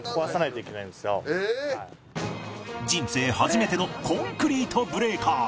人生初めてのコンクリートブレーカー